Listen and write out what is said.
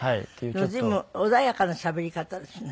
随分穏やかなしゃべり方ですね。